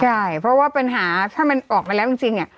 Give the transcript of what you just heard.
ใช่เพราะว่าปัญหาถ้ามันออกมาแล้วจริง